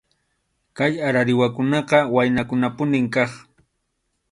Kay arariwakunaqa waynakunapunim kaq.